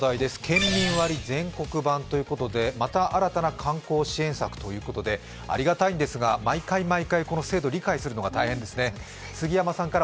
県民割全国版ということでまた新たな観光支援策ということでありがたいんですが毎回毎回この制度、理解するのが大変ですね。